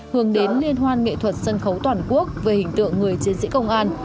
hướng đến liên hoan nghệ thuật sân khấu toàn quốc về hình tượng người chiến sĩ công an